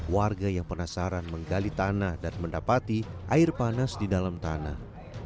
warga yang penasaran menggali tanah dan mendapati air panas di dalam tanah